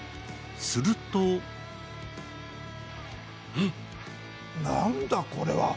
するとなんだこれは！？